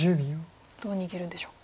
どう逃げるんでしょう。